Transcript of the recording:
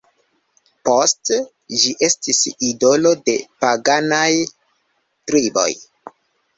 Poste ĝi estis idolo de paganaj triboj.